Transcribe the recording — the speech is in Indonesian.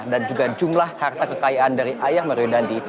dan juga jumlah harta kekayaan dari ayah mario dandi